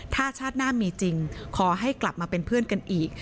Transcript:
ถ้าชาติหน้ามีจริงขอให้กลับมาเป็นเพื่อนกันอีก